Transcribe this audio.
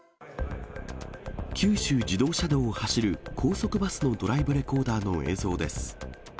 九州自動車道を走る高速バスのドライブレコーダーの映像です。